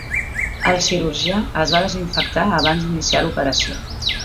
El cirurgià es va desinfectar abans d'iniciar l'operació.